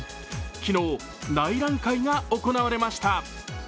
昨日、内覧会が行われました。